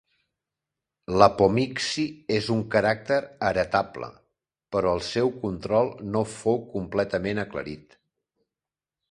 L’apomixi és un caràcter heretable, però el seu control no fou completament aclarit.